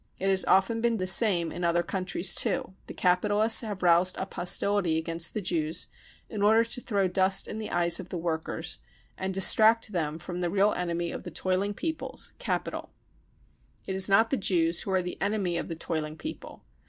It has often been the same in other countries too the capitalists have roused up hostility against the Jews in order to throw dust in the eyes of the workers and distract them from the real enemy of the toiling people, capital. ..." It is not the Jews who are the enemy of the toiling people.